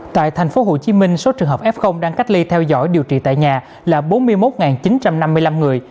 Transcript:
tại thành phố hồ chí minh số trường hợp f đang cách ly theo dõi điều trị tại nhà là bốn mươi một chín trăm năm mươi năm người